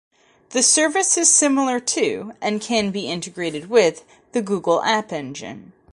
The service is similar to, and can be integrated with, the Google App Engine.